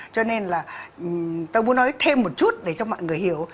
cho nên là tôi muốn nói thêm một chút để cho mọi người hiểu